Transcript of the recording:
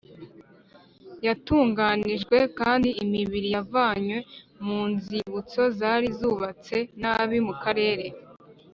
Hatunganijwe kandi imibiri yavanywe mu nzibutso zari zubatse nabi mu karere